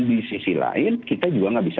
di sisi lain kita juga nggak bisa